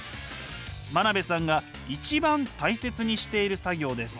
真鍋さんが一番大切にしている作業です。